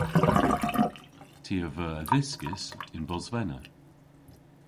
Ty a veu adhyskys yn Bosvena.